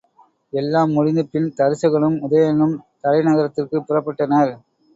எல்லாம் முடிந்து பின் தருசகனும் உதயணனும் தலை நகரத்திற்குப் புறப்பட்டனர்.